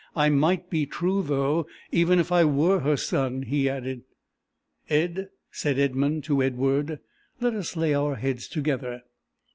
" I might be true, though, even if I were her son!" he added. "Ed," said Edmund to Edward, "let us lay our heads together!"